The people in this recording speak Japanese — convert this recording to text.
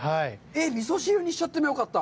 味噌汁にしちゃってもよかった。